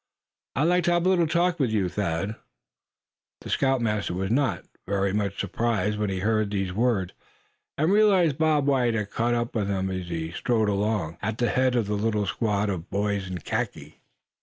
"I'd like to have a little talk with you, Thad!" The scoutmaster was not very much surprised when he heard these words, and realized that Bob White had caught up with him as he strode along at the head of the little squad of boys in khaki.